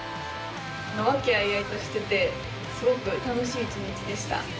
和気あいあいとしててすごく楽しい一日でした。